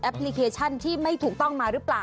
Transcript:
พลิเคชันที่ไม่ถูกต้องมาหรือเปล่า